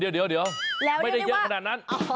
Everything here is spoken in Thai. เดี๋ยวไม่ได้เยอะขนาดนั้น